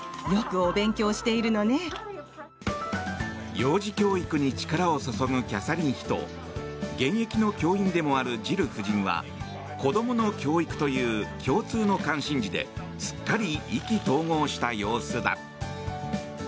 幼児教育に力を注ぐキャサリン妃と現役の教員でもあるジル夫人は子供の教育という共通の関心事ですっかり意気投合した様子だ。